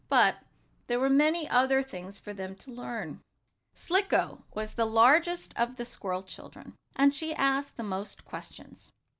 But there were many other things for them to learn. Slicko was the largest of the squirrel children, and she asked the most questions.